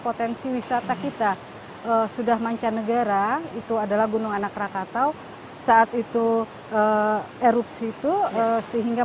potensi wisata kita sudah mancanegara itu adalah gunung anak rakatau saat itu erupsi itu sehingga